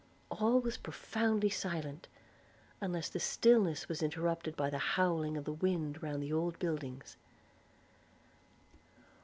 All was profoundly silent, unless the stillness was interrupted by the howling of the wind round the old buildings.